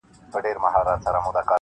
ګل سرخ ته تر مزاره چي رانه سې -